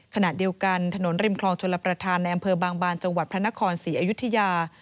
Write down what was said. ขณะเดียวกันถนนริมคลองชลประธานในอำเภอบางบานจังหวัดพระนครศรีอยุธยา